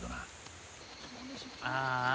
ああ。